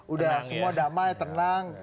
udah semua damai tenang